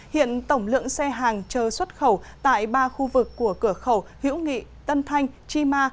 hiện tổng lượng xe hàng chờ xuất khẩu tại ba khu vực của cửa khẩu hiễu nghị tân thanh chi ma